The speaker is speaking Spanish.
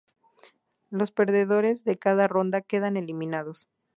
Los perdedores de cada ronda quedan eliminados.